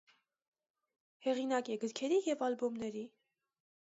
Հեղինակ է գրքերի և ալբոմների։